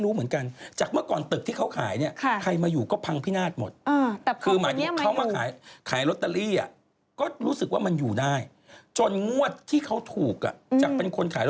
คือถูกทุกงวดเนอะพี่มันถูก๓ตัว๒ตัวรางวัลข้างเคียงปรากฎว่างวัดในปีนั้น